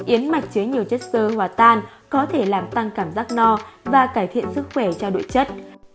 yến mạch chứa nhiều chất sơ hòa tan có thể làm tăng cảm giác no và cải thiện sức khỏe trao đổi chất